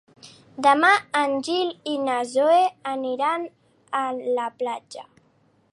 Demà en Gil i na Zoè iran a la platja.